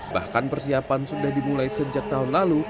bahkan persiapan sudah dimulai sejak tahun lalu